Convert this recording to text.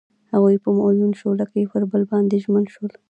هغوی په موزون شعله کې پر بل باندې ژمن شول.